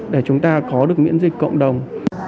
để chúng ta có được miễn dịch cộng đồng